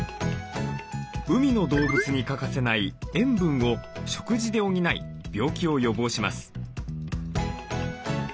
海の動物に欠かせない塩分を食事で補い病気を予防します。